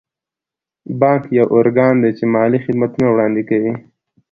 بانک یو ارګان دی چې مالي خدمتونه وړاندې کوي.